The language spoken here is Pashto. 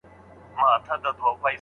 نه پوهیږي چي دی څوک دی د کوم قام دی